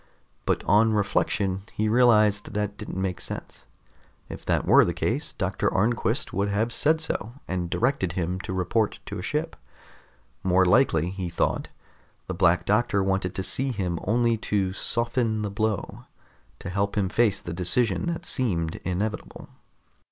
But on reflection, he realized that didn't make sense. If that were the case, Doctor Arnquist would have said so, and directed him to report to a ship. More likely, he thought, the Black Doctor wanted to see him only to soften the blow, to help him face the decision that seemed inevitable.